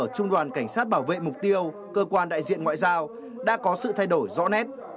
trung đoàn cảnh sát bảo vệ mục tiêu cơ quan đại diện ngoại giao đã có sự thay đổi rõ nét